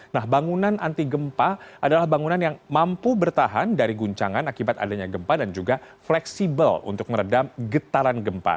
nah bangunan anti gempa adalah bangunan yang mampu bertahan dari guncangan akibat adanya gempa dan juga fleksibel untuk meredam getaran gempa